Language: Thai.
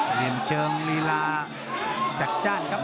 เหลี่ยมเชิงเรียราจัดจั้นครับ